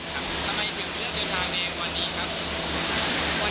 ทำไมถึงเลือกเดินทางเร็วกว่านี้ครับ